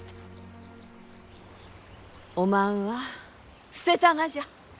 おまんは捨てたがじゃ。